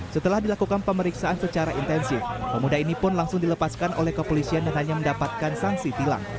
setelah dilakukan pemeriksaan secara intensif pemuda ini pun langsung dilepaskan oleh kepolisian dan hanya mendapatkan sanksi tilang